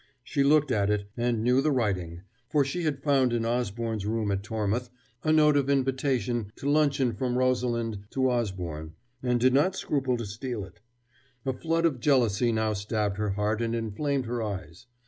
She looked at it, and knew the writing, for she had found in Osborne's room at Tormouth a note of invitation to luncheon from Rosalind to Osborne, and did not scruple to steal it. A flood of jealousy now stabbed her heart and inflamed her eyes.